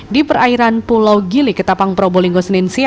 di perairan pulau gili ketapang probolinggo